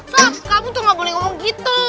sop kamu tuh gak boleh ngomong gitu